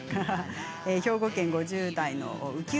兵庫県５０代の方。